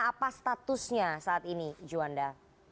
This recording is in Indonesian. apa statusnya saat ini juanda